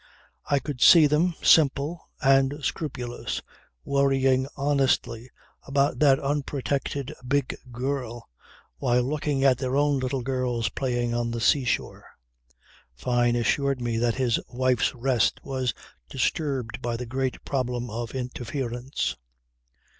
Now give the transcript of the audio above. I could see them, simple, and scrupulous, worrying honestly about that unprotected big girl while looking at their own little girls playing on the sea shore. Fyne assured me that his wife's rest was disturbed by the great problem of interference.